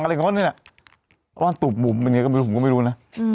อะไรของเนี้ยว่านตูบหมูบเป็นไงก็ไม่รู้ผมก็ไม่รู้นะอืม